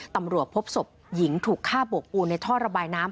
ตำรวจพบศพหญิงถูกฆ่าโบกปูนในท่อระบายน้ำ